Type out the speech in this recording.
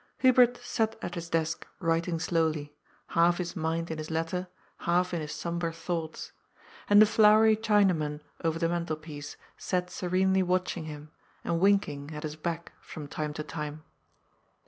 Hubert sat at his desk writing slowly, half his mind in his letter, half in his sombre thoughts. And the flowery Chinaman over the mantelpiece sat serenely watching him, 'and winking at his back from time to time.